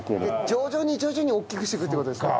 徐々に徐々に大きくしてくって事ですか。